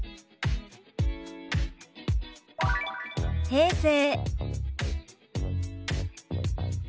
「平成」。